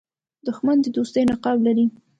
دښمن د دوستۍ نقاب لري